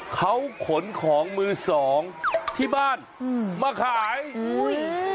เขาขนของมือสองที่บ้านมาขาย